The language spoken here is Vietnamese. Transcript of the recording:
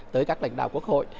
tới các lãnh đạo quốc hội